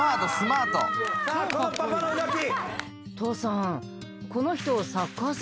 さあこのパパの動き。